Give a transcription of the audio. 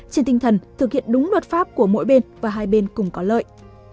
trên tinh thần thực hiện đúng luật pháp của mỗi bên và hai bên cùng có lợi